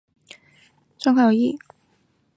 大家察觉到她状况有异